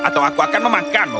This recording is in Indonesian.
atau aku akan memakanmu